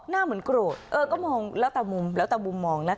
หน้าเหมือนโกรธเออก็มองแล้วแต่มุมแล้วแต่มุมมองนะ